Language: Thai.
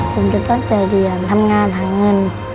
ผมจะตั้งใจเรียนทำงานหาเงิน